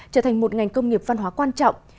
trở thành một ngành công nghiệp văn hóa quan trọng